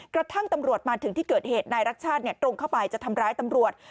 กระทั่งตำรวจมาถึงที่เกิดเหตุนายรักชาติตรงเข้าไปจะทำร้ายตำรวจ